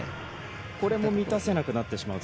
これも満たせなくなってしまうと。